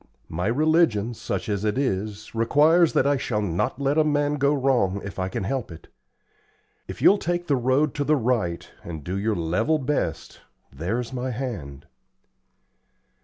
My religion, such as it is, requires that I shall not let a man go wrong if I can help it. If you'll take the road to the right and do your level best, there's my hand."